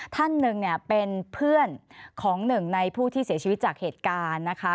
ท่านหนึ่งเป็นเพื่อนของหนึ่งในผู้ที่เสียชีวิตจากเหตุการณ์นะคะ